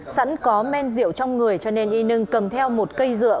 sẵn có men rượu trong người cho nên y nưng cầm theo một cây dựa